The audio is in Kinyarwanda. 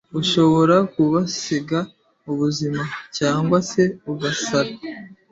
ushobora kuhasiga ubuzima cyangwa se ugasara